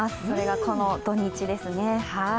それが、この土日ですね。